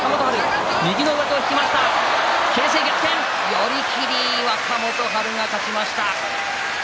寄り切り若元春が勝ちました。